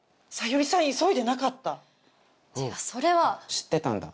知ってたんだ。